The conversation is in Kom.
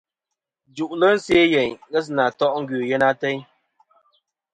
Jù'lɨ se' yeyn ghesɨna to' ngœ yèyn ateyn.